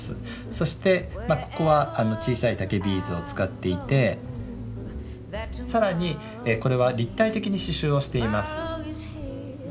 そしてここは小さい竹ビーズを使っていてさらにこれは立体的に刺繍をしています。